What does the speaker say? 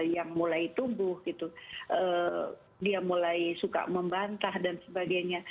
yang mulai tumbuh gitu dia mulai suka membantah dan sebagainya